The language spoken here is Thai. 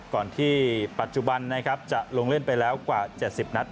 ก่อนที่ปัจจุบันนะครับจะลงเล่นไปแล้วกว่า๗๐นัด